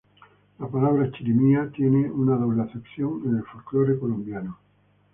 La palabra chirimía tiene una doble acepción en el folclore colombiano.